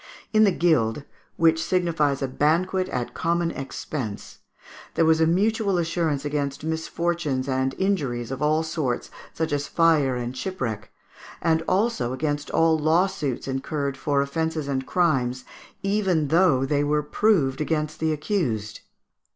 In the guild, which signifies a banquet at common expense, there was a mutual assurance against misfortunes and injuries of all sorts, such as fire and shipwreck, and also against all lawsuits incurred for offences and crimes, even though they were proved against the accused.